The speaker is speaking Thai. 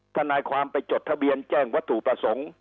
ทนายความไปจดทะเบียนแจ้งวัตถุประสงค์